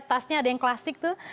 tasnya ada yang klasik tuh